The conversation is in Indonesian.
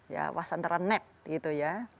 ya wasantara nek gitu ya